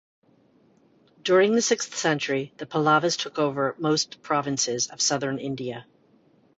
During the sixth century, the Pallavas took over most provinces of Southern India.